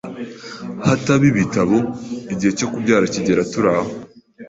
hataba ibitaro, igihe cyo kubyara kigera turi aho,